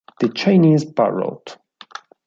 The Chinese Parrot